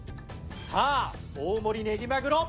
さあ大盛りねぎまぐろ